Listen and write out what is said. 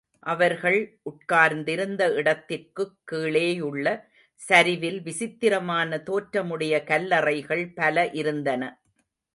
அவர்கள் உட்கார்ந்திருந்த இடத்திற்குக் கீழேயுள்ள சரிவில் விசித்திரமான தோற்றமுடைய கல்லறைகள் பல இருந்தன.